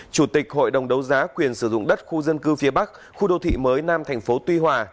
chủ tịch hội đồng đấu giá quyền sử dụng đất khu dân cư phía bắc khu đô thị mới nam thành phố tuy hòa